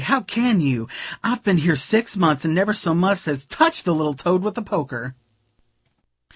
how can you? I've been here six months. and never so much as touched the little toad with a poker."